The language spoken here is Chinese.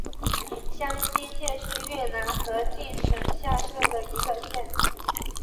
香溪县是越南河静省下辖的一县。